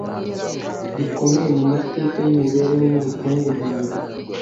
rikomeye mu mateka y’imibereho n’ubukungu ntambara